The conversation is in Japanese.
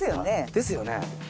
ですよね！